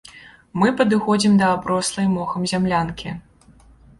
Мы падыходзім да аброслай мохам зямлянкі.